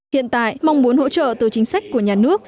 hiện tại mong muốn hỗ trợ từ chính sách của nhà nước